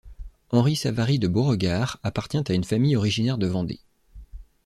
Henry Savary de Beauregard appartient à une famille originaire de Vendée.